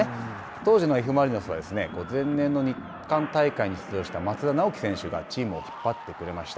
当時のＦ・マリノスは前年の日韓大会に出場した松田直樹選手がチームを引っ張ってくれました。